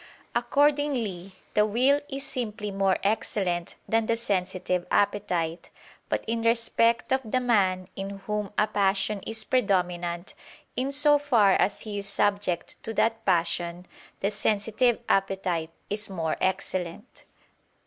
Accordingly the will is simply more excellent than the sensitive appetite: but in respect of the man in whom a passion is predominant, in so far as he is subject to that passion, the sensitive appetite is more excellent.